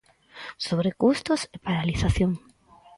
Sobrecustos e paralización.